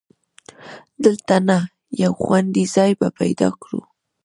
دلته نه، یو خوندي ځای به پیدا کړو.